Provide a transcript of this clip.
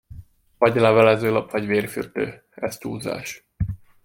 Vagy levelezőlap, vagy vérfürdő, ez túlzás.